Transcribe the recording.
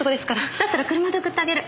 だったら車で送ってあげる。